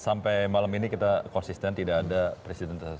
sampai malam ini kita konsisten tidak ada presiden